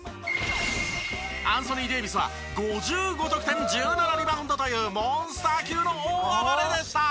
アンソニー・デイビスは５５得点１７リバウンドというモンスター級の大暴れでした！